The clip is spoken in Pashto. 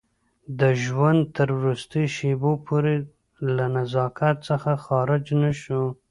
د ژوند تر وروستیو شېبو پورې له نزاکت څخه خارج نه شو.